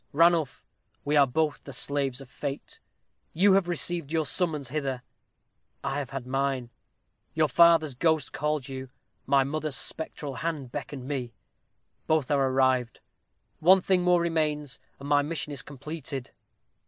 Ranulph, we are both the slaves of fate. You have received your summons hither I have had mine. Your father's ghost called you; my mother's spectral hand beckoned me. Both are arrived. One thing more remains, and my mission is completed."